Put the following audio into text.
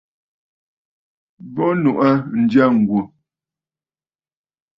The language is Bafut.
Bɨ nuʼu aa ǹjyâ ŋ̀gwò.